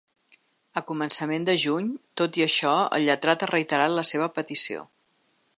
A començament de juny, tot i això, el lletrat ha reiterat la seva petició.